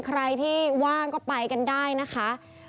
ใครที่ว่างก็ไปกันได้นะคะ